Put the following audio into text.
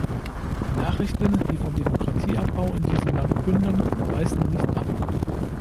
Die Nachrichten, die vom Demokratieabbau in diesem Land künden, reißen nicht ab.